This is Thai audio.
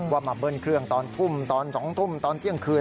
ว่ามาเบิ้ลเครื่องตอนทุ่มตอน๒ทุ่มตอนเที่ยงคืน